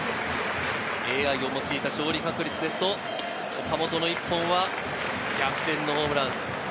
ＡＩ勝利確率ですと、岡本の一本は逆転のホームラン。